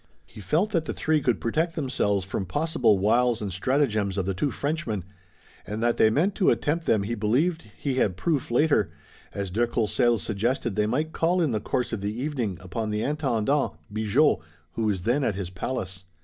He felt that the three could protect themselves from possible wiles and stratagems of the two Frenchmen, and that they meant to attempt them he believed he had proof later, as de Courcelles suggested they might call in the course of the evening upon the Intendant, Bigot, who was then at his palace.